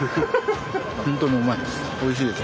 本当にうまいです。